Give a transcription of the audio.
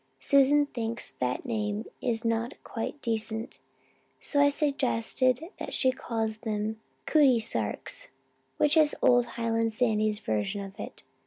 Susan thinks that name is not quite decent, so I suggested she call them 'cootie sarks,' which is old Highland Sandy's version of it.